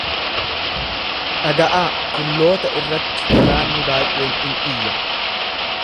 Dhaga’aa, tulloota irratti waraanni baay’een in iyya.